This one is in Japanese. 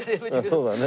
そうだね。